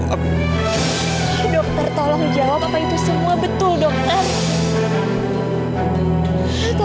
dokter tolong jawab apa itu semua betul dokter